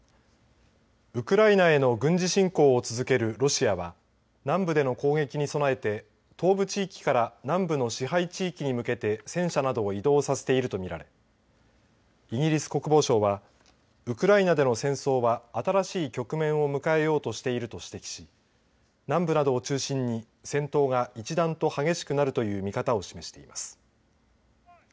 ウクライナへの軍事侵攻を続けるロシアは南部での攻撃に備えて東部地域から南部の支配地域に向けて戦車などを移動させていると見られイギリス国防省はウクライナでの戦争は新しい局面を迎えようとしていると指摘し南部などを中心に戦闘が一段と激しくなるという見方を示しています。